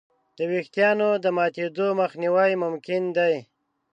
د وېښتیانو د ماتېدو مخنیوی ممکن دی.